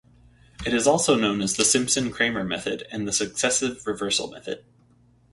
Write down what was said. It is also known as the Simpson-Kramer method, and the successive reversal method.